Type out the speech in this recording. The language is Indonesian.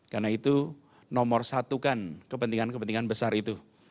karena itu nomor satu kan kepentingan kepentingan besar itu